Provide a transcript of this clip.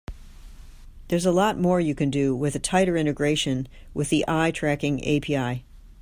There's a lot more you can do with a tighter integration with the eye tracking API.